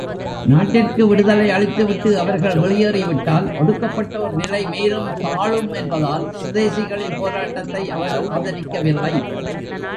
நாட்டிற்கு விடுதலை அளித்துவிட்டு அவர்கள் வெளியேறிவிட்டால் ஒடுக்கப்பட்டோர் நிலை மேலும் தாழும் என்பதால் சுதேசிகளின் போராட்டத்தை அவர் ஆதரிக்கவில்லை.